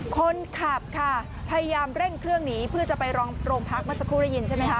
คนขับค่ะพยายามเร่งเครื่องหนีเพื่อจะไปรองโรงพักเมื่อสักครู่ได้ยินใช่ไหมคะ